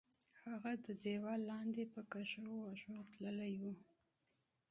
هغه دیوال لاندې په کږو وږو تللی وو.